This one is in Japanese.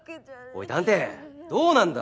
おい探偵どうなんだ？